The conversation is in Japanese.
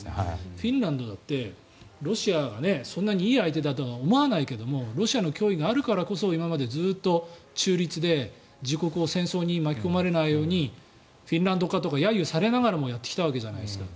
フィンランドだってロシアがそんなにいい相手だとは思わないけれどもロシアの脅威があるからこそ今までずっと中立で自国を戦争に巻き込まれないようにフィンランド化とか揶揄されつつもやってきたわけじゃないですか。